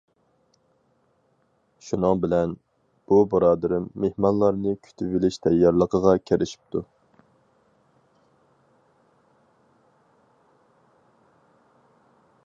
شۇنىڭ بىلەن، بۇ بۇرادىرىم مېھمانلارنى كۈتۈۋېلىش تەييارلىقىغا كىرىشىپتۇ.